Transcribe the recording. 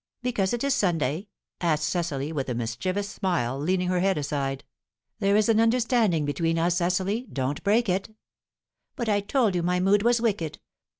"Because it is Sunday?" asked Cecily, with a mischievous smile, leaning her head aside. "There is an understanding between us, Cecily. Don't break it." "But I told you my mood was wicked.